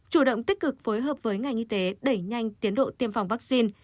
chủ động tích cực phối hợp với ngành y tế đẩy nhanh tiến độ tiêm phòng vaccine